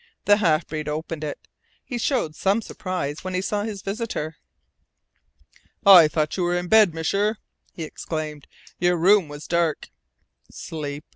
The half breed opened it. He showed some surprise when he saw his visitor. "I thought you were in bed, M'sieur," he exclaimed. "Your room was dark." "Sleep?"